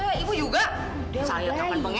eh ibu juga